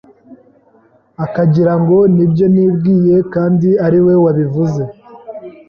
akagirango ni ibyo nibwiye kandi ari we wabivuze,